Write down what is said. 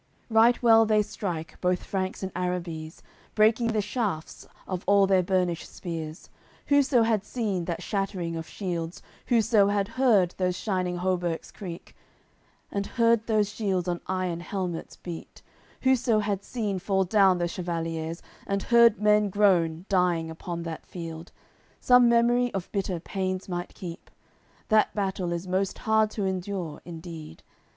AOI. CCLIII Right well they strike, both Franks and Arrabies, Breaking the shafts of all their burnished spears. Whoso had seen that shattering of shields, Whoso had heard those shining hauberks creak, And heard those shields on iron helmets beat, Whoso had seen fall down those chevaliers, And heard men groan, dying upon that field, Some memory of bitter pains might keep. That battle is most hard to endure, indeed.